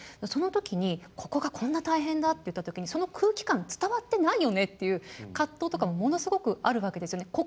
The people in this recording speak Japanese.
その時にここがこんな大変だって言った時にその空気感伝わってないよねっていう葛藤とかもものすごくあるわけですよね。